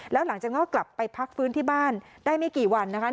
แล้วหลังจากงอกกลับไปพักฟื้นที่บ้านได้ไม่กี่วันนะคะ